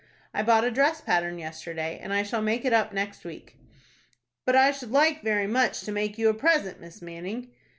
I bought a dress pattern yesterday, and I shall make it up next week." "But I should like very much to make you a present, Miss Manning."